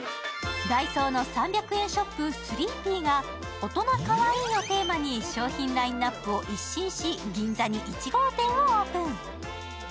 ＤＡＩＳＯの３００円ショップ、ＴＨＲＥＥＰＰＹが大人かわいいをテーマに、商品ラインナップを一新し、銀座に１号店をオープン。